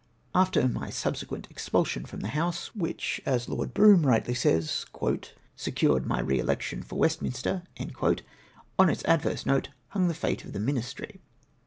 After my subsequent expulsion from the House, which, as Lord Brougham rightly says, " secured my re election for Westminster,'' on its adverse note hung the fate of the ministry.